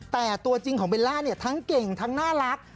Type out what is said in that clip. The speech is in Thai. แต่ตัวจริงของเบลล่าเนี่ยทั้งเก่งทั้งน่ารัก